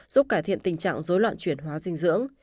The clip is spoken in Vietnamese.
giúp cải thiện tình trạng dối loạn chuyển hóa dinh dưỡng